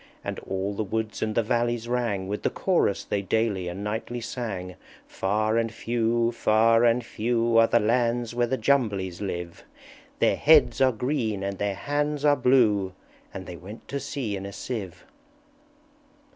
And all the woods and the valleys rang With the Chorus they daily and nightly sang, "_Far and few, far and few, Are the lands where the Jumblies live; Their heads are green, and their hands are blue, And they went to sea in a sieve.